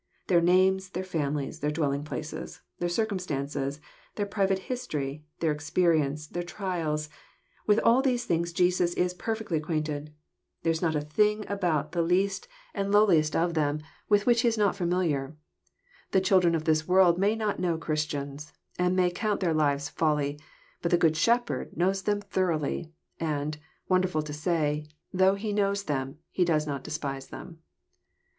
Their names, their families, their dwelling places, their circumstances, their private history, their experience, their trials, — with all these things Jesus is perfectly acquainted. There is not a thing about the least and low* 190 EXPosrroBT thoughts. est of them with which He is not familiar. The children of this world may not know Christians, and may coant their lives folly ; bat the Good Shepherd knows them thoroughly^ and, wonderfal to say, though He kiiows them, does not despise them.